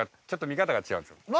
ちょっと見方が違うんですよ。